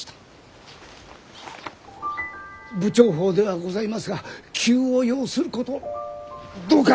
不調法ではございますが急を要することどうか！